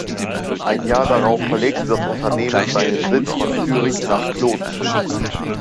Ein Jahr darauf verlegte das Unternehmen seinen Sitz von Zürich nach Kloten.